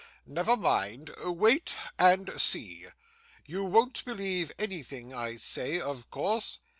Never mind; wait and see. You won't believe anything I say, of course.